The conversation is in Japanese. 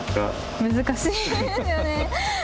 難しいですよね。